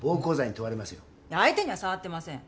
相手には触ってません。